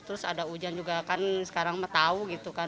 terus ada hujan juga kan sekarang tahu gitu kan